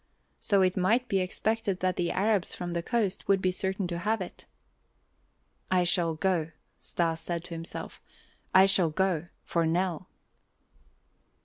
So it might be expected that the Arabs from the coast would be certain to have it. "I shall go," Stas said to himself, "I shall go, for Nell."